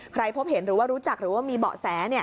ใครพบเห็นรู้จักหรือมีเบาะแส